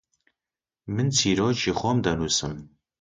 من چیرۆکی خۆم دەنووسم.